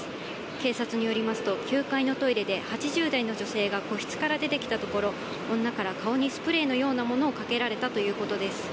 警察によりますと、９階のトイレで、８０代の女性が個室から出てきたところ、女から顔にスプレーのようなものをかけられたということです。